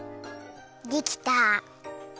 できた！